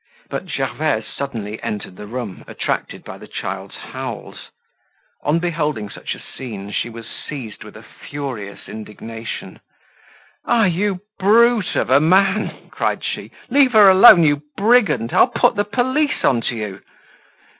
But Gervaise suddenly entered the room, attracted by the child's howls. On beholding such a scene she was seized with a furious indignation. "Ah! you brute of a man!" cried she. "Leave her alone, you brigand! I'll put the police on to you."